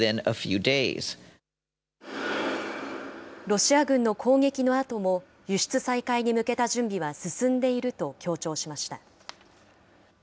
ロシア軍の攻撃のあとも、輸出再開に向けた準備は進んでいると強調しました。